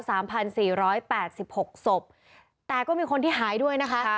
สามพันสี่ร้อยแปดสิบหกศพแต่ก็มีคนที่หายด้วยนะคะ